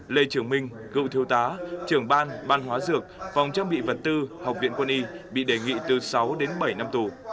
lê trường minh cựu thiếu tá trưởng ban ban hóa dược phòng trang bị vật tư học viện quân y bị đề nghị từ sáu đến bảy năm tù